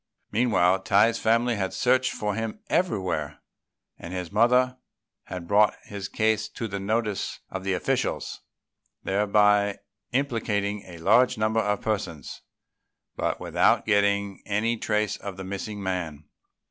Meanwhile, Tai's family had searched for him everywhere, and his mother had brought his case to the notice of the officials, thereby implicating a large number of persons, but without getting any trace of the missing man.